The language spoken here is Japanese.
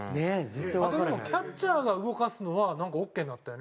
あとでもキャッチャーが動かすのはなんかオッケーになったよね。